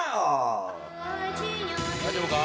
「大丈夫か？」